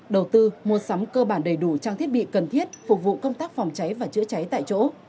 đầu tư mua sắm cơ bản đầy đủ trang thiết bị cần thiết phục vụ công tác phòng cháy và chữa cháy tại chỗ